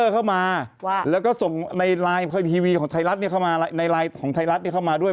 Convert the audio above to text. เข้ามาแล้วก็ส่งในไลน์ทีวีของไทยรัฐเข้ามาในไลน์ของไทยรัฐเข้ามาด้วย